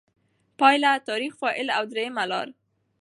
پایله: «تاریخي فاعل» او درېیمه لار